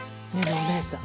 えお姉さん。